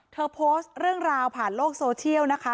เธอโพสต์เรื่องราวผ่านโลกโซเชียลนะคะ